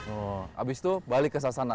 oh abis itu balik ke sasana